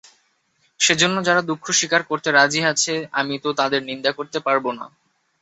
সেজন্যে যারা দুঃখ স্বীকার করতে রাজি আছে আমি তো তাদের নিন্দা করতে পারব না।